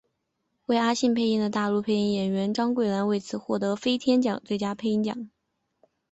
为阿信配音的大陆配音员张桂兰为此获得飞天奖最佳配音奖。